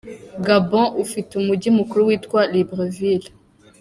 Gabon ufite umujyi mukuru witwa Libreville.